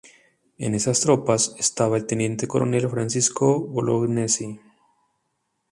En esas tropas estaba el teniente coronel Francisco Bolognesi.